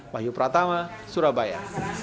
wahyu pratama surabaya